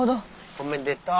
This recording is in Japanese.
おめでとう！